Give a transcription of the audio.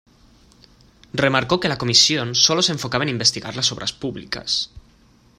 Remarcó que la Comisión solo se enfocaba en investigar las obras públicas.